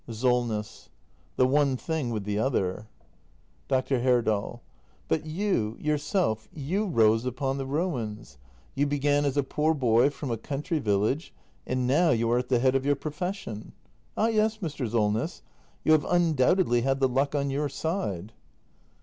Solness. The one thing with the other. Dr. Herdal. But you — yourself — y o u rose upon the ruins. You began as a poor boy from a country village — and now you are at the head of your profession. All, yes, Mr. Solness, you have undoubtedly had the luck on your side.